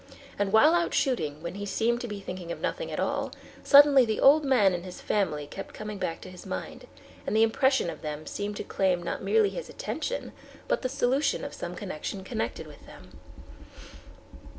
And while out shooting, when he seemed to be thinking of nothing at all, suddenly the old man and his family kept coming back to his mind, and the impression of them seemed to claim not merely his attention, but the solution of some question connected with them.